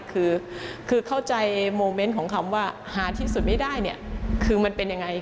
คือเข้าใจโมเมนต์ของคำว่าหาที่สุดไม่ได้เนี่ยคือมันเป็นยังไง